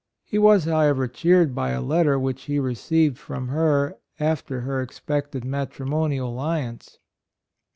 He was, however, cheered by a letter which he received from her after her un expected matrimonial alliance."